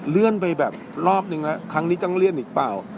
เลื่อนไปแบบรอบนึงแล้วครั้งนี้ต้องเลื่อนอีกเปล่า